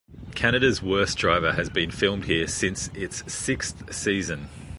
Canada's Worst Driver has been filmed here since its sixth season.